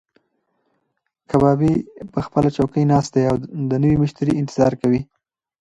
کبابي په خپله چوکۍ ناست دی او د نوي مشتري انتظار کوي.